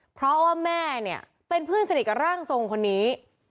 เพราะว่าแม่เนี่ยเป็นเพื่อนสนิทกับร่างทรงคนนี้